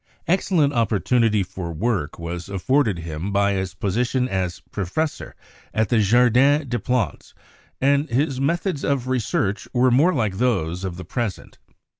Excellent opportunity for work was afforded him by his position as professor at the Jardin des Plantes, and his methods of re search were more like those of the present.